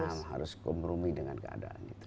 sayangnya harus kemrumi dengan keadaan itu